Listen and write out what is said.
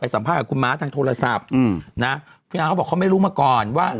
พี่ม้าทางโทรศัพท์นะพี่ม้าเขาบอกเขาไม่รู้มาก่อนว่า